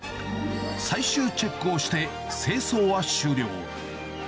最終チェックをして、清掃は終了。